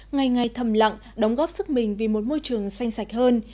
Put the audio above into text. ngày ngày thầm lặng đóng góp sức mình vì một môi trường xanh sạch hơn